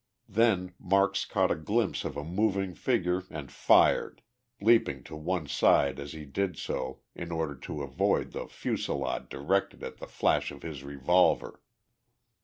Then Marks caught a glimpse of a moving figure and fired, leaping to one side as he did so in order to avoid the fusillade directed at the flash of his revolver.